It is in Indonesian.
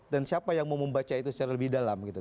dan siapa yang mau membaca itu secara lebih dalam gitu